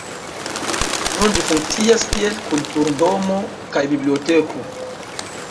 Nun ĝi funkcias kiel kulturdomo kaj biblioteko.